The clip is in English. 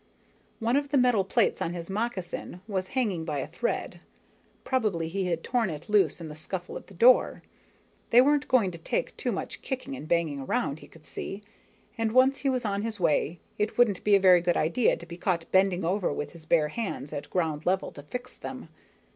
One of the metal plates on his moccasin was hanging by a thread, probably he had torn it loose in the scuffle at the door. They weren't going to take too much kicking and banging around, he could see, and once he was on his way, it wouldn't be a very good idea to be caught bending over with his bare hands at ground level to fix them.